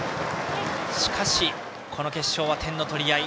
しかしこの決勝は点の取り合い。